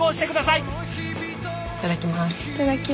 いただきます。